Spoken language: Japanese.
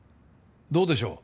どうでしょう？